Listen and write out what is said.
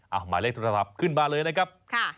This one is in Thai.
เอาหมายเลขโทรศัพท์ขึ้นมาเลยนะครับ